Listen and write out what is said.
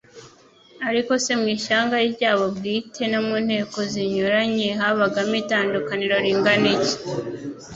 Ariko se mu ishyanga ryabo bwite, no mu nteko zinytu-anye habagamo itandukaniro ringana iki!